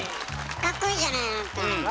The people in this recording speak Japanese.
かっこいいじゃないあなた。